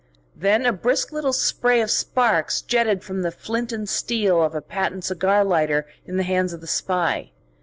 Then a brisk little spray of sparks jetted from the flint and steel of a patent cigar lighter in the hands of the spy.